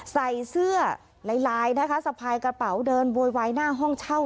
ใส่เสื้อหลายสะพายกระเป๋าเดินไวนญาติห้องเช่า